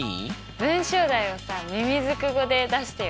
文章題をさみみずく語で出してよ！